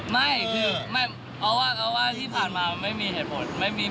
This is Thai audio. ไม่คือไม่เพราะว่าที่ผ่านมาไม่มีเหตุผล